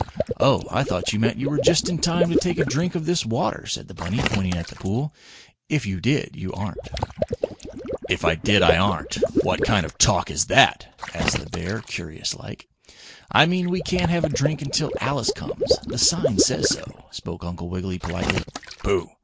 "Oh, I thought you meant you were just in time to take a drink of this water," said the bunny, pointing at the pool. "If you did, you aren't." "If I did I aren't? What kind of talk is that?" asked the bear, curious like. "I mean we can't have a drink until Alice comes the sign says so," spoke Uncle Wiggily, politely. "Pooh!